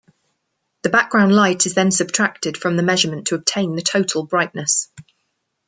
The background light is then subtracted from the measurement to obtain the total brightness.